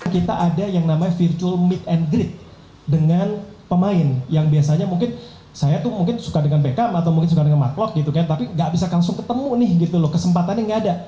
kita ada yang namanya virtual meet and greet dengan pemain yang biasanya mungkin saya tuh suka dengan backup atau suka dengan matplot tapi gak bisa langsung ketemu nih gitu loh kesempatannya gak ada